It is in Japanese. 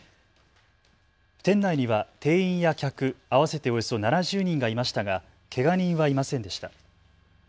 店内には店員や客合わせておよそ７０人がいましたがけが人はいませんでした。